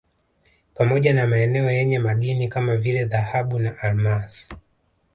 Pamoja na maeneo yenye madini kama vile dhahabu na almasi